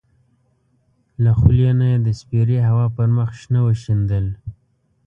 له خولې نه یې د سپېرې هوا پر مخ شنه وشیندل.